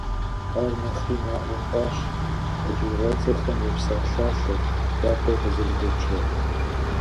Ар нэхъри наӏуэ хъуащ «Къэкӏыгъэцӏэхэм я псалъалъэр» япэу къызэрыдэкӏрэ.